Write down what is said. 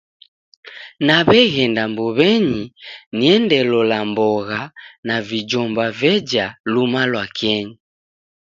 Naw'eghenda mbuw'enyi niende lola mbogha na vijomba veja luma lwa kenyi.